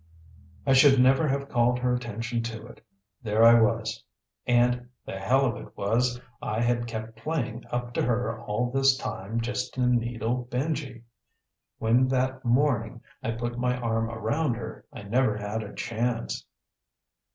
I should never have called her attention to it. There I was and, the hell of it was I had kept playing up to her all this time just to needle Benji. When, that morning, I put my arm around her, I never had a chance.